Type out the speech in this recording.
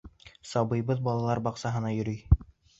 Сабыйыбыҙ балалар баҡсаһына йөрөй.